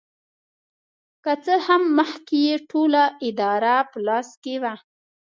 که څه هم مخکې یې ټوله اداره په لاس کې وه.